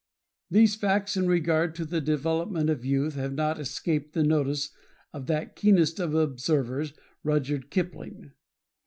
These facts in regard to the development of youth have not escaped the notice of that keenest of observers, Rudyard Kipling.